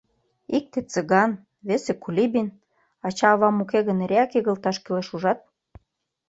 — Икте — Цыган, весе — КулибинАча-авам уке гын, эреак игылташ кӱлеш, ужат?!